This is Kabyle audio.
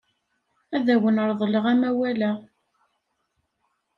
Ad awen-reḍleɣ amawal-a.